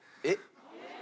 えっ？